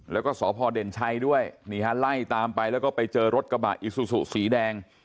แล้วก็สพเด่นชัยด้วยนี่ฮะไล่ตามไปแล้วก็ไปเจอรถกระบะอิซูซูสีแดง